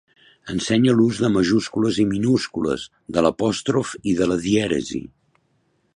Ensenye l’ús de majúscules i minúscules, de l’apòstrof i de la dièresi.